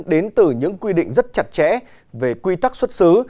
đến từ những quy định rất chặt chẽ về quy tắc xuất xứ